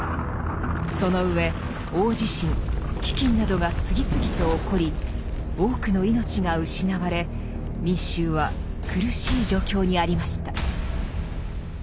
その上大地震飢饉などが次々と起こり多くの命が失われ民衆は苦しい状況にありました。